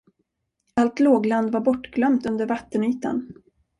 Allt lågland var bortglömt under vattenytan.